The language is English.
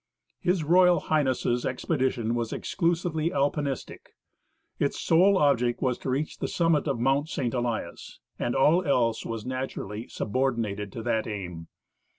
His Royal Highness's expedition was exclusively Alpinistic. Its sole object was to reach the summit of Mount St. Elias, and all else was naturally subordinated to that aim.